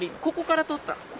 ここから撮ったの。